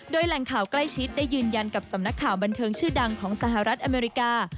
โดยแหล่งข่าวใกล้ชิดได้ยืนยันกับสำนักข่าวบันเทิงชื่อดังของสหรัฐอเมริกา